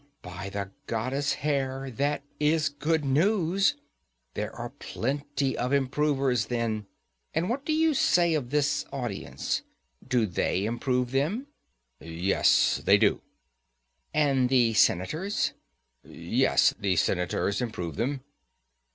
By the goddess Here, that is good news! There are plenty of improvers, then. And what do you say of the audience,—do they improve them? Yes, they do. And the senators? Yes, the senators improve them.